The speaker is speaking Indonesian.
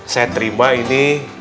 saya terima ini